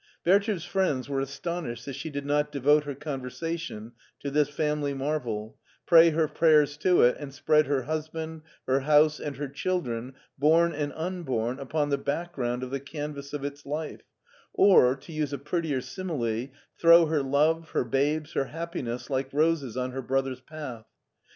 Bertha's friends were astonished that she did not devote her conversation to this family marvel, pray her prayers to it, and spread her husband, her house, and her children, bom and unborn, upon the back ground of the canvas of its life, or, to use a prettier simile, throw her love, her babes, her happiness like roses on her brother's path.